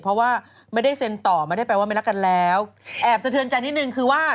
เพราะว่าไม่ได้เซ็นต่อไม่ได้แปลว่าไม่รักกันแล้วแอบสะเทือนใจนิดนึงคือว่า